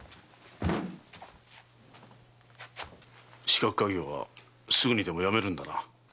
刺客稼業はすぐにでもやめるんだな。